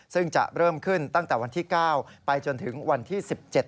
ซึ่งจะเริ่มขึ้นตั้งแต่วันที่๙